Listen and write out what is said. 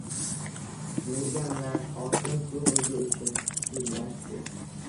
Merganlar hokim kubogi uchun bellashdi